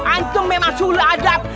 antum memang suluh adab